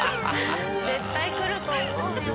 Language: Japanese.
絶対来ると思うよ。